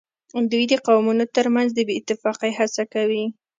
دوی د قومونو ترمنځ د بې اتفاقۍ هڅه کوي